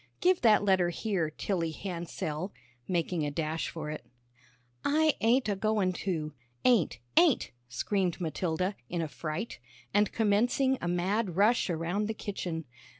Give that letter here, Tilly Hansell," making a dash for it. "I ain't a goin' to, ain't, ain't," screamed Matilda, in a fright, and commencing a mad rush around the kitchen.